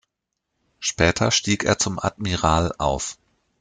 Später stieg er zum Admiral auf.